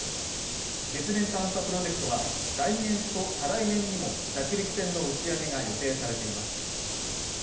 月面探査プロジェクトは来年と再来年にも着陸船の打ち上げが予定されています。